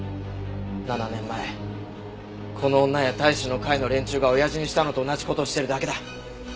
７年前この女や隊士の会の連中が親父にしたのと同じ事をしてるだけだ。